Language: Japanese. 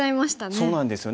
そうなんですよね。